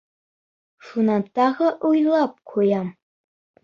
— Шунан тағы уйлап ҡуям.